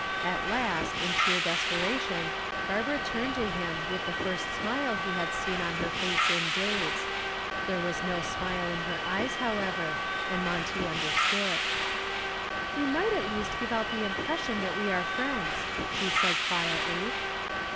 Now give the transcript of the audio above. At last, in sheer desperation, Barbara turned to him with the first smile he had seen on her face in days. There was no smile in her eyes, however, and Monty understood. "We might at least give out the impression that we are friends," she said quietly.